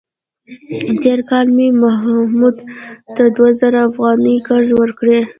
تېر کال مې محمود ته دوه زره افغانۍ قرض ورکړې.